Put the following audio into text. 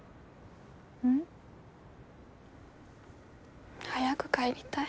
ん？早く帰りたい。